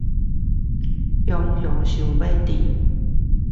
突然想要